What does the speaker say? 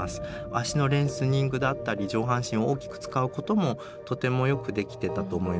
足のレングスニングだったり上半身を大きく使うこともとてもよくできてたと思います。